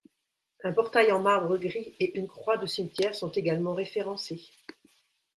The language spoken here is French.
Un portail en marbre gris et une croix de cimetière sont également référencés.